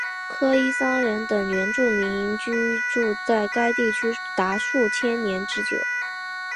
科伊桑人等原住民居住在该地区达数千年之久。